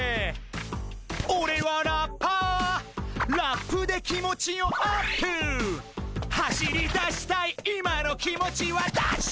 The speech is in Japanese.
「オレはラッパー」「ラップで気持ちをアップ」「走り出したい今の気持ちはダッシュ」